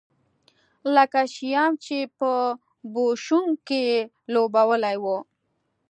لکه شیام چې په بوشونګ کې لوبولی و.